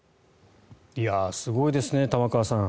すごいですね、玉川さん。